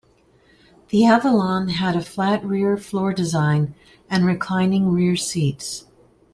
The Avalon had a flat rear floor design and reclining rear seats.